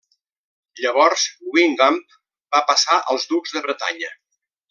Llavors Guingamp va passar als ducs de Bretanya.